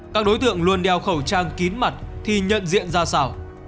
các đối tượng luôn đeo khẩu trang kín mặt thì nhận diện ra sao